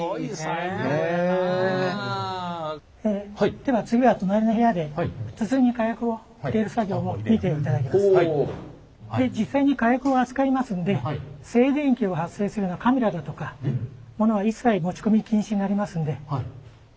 では次は隣の部屋でで実際に火薬を扱いますんで静電気を発生するようなカメラだとかものは一切持ち込み禁止になりますんで。